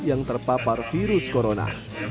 yang terpapar virus corona